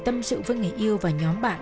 tâm sự với người yêu và nhóm bạn